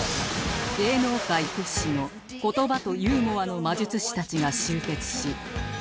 芸能界屈指の言葉とユーモアの魔術師たちが集結し